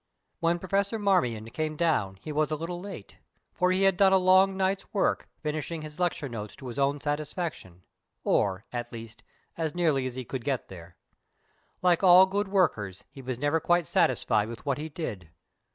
When Professor Marmion came down he was a little late, for he had done a long night's work, finishing his lecture notes to his own satisfaction, or, at least, as nearly as he could get there. Like all good workers, he was never quite satisfied with what he did.